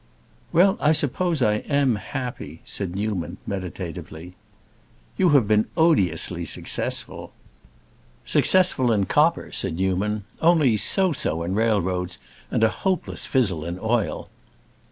"Well, I suppose I am happy," said Newman, meditatively. "You have been odiously successful." "Successful in copper," said Newman, "only so so in railroads, and a hopeless fizzle in oil."